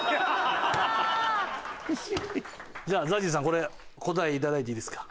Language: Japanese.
じゃあＺＡＺＹさんこれ答え頂いていいですか？